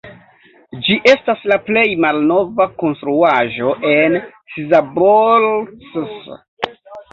Ĝi estas la plej malnova konstruaĵo en Szabolcs.